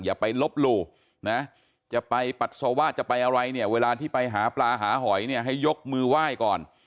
อย่าไปลบหลู่นะจะไปปัสสาวะจะไปอะไรเนี่ยเวลาที่ไปหาปลาหาหอยเนี่ยให้ยกมือไหว้ก่อน